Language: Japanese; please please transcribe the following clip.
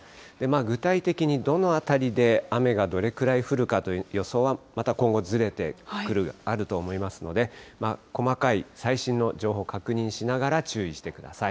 具体的にどの辺りで雨がどれぐらい降るかという予想は、また今後、ずれてくる、あると思いますので、細かい最新の情報を確認しながら注意してください。